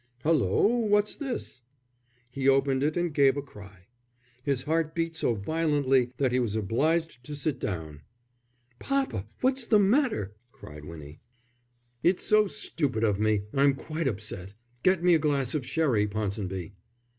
"Hulloa, what's this?" He opened it and gave a cry. His heart beat so violently that he was obliged to sit down. "Papa, what's the matter?" cried Winnie. "It's so stupid of me, I'm quite upset. Get me a glass of sherry, Ponsonby."